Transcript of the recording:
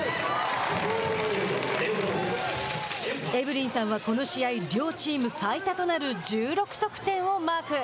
エブリンさんは、この試合両チーム最多となる１６得点をマーク。